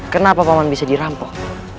kenapa paman bisa dirampok